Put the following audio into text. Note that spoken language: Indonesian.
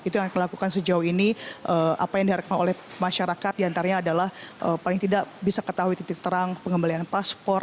itu yang dilakukan sejauh ini apa yang diharapkan oleh masyarakat diantaranya adalah paling tidak bisa ketahui titik terang pengembalian paspor